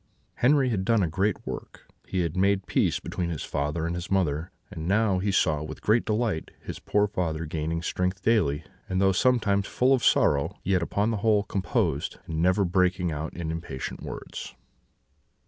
"Henri had done a great work; he had made peace between his father and his mother; and now he saw, with great delight, his poor father gaining strength daily; and though sometimes full of sorrow, yet upon the whole composed, and never breaking out in impatient words.